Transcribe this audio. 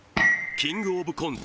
「キングオブコント」